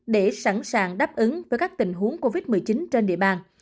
để sẵn sàng đáp ứng với các tình huống covid một mươi chín trên địa bàn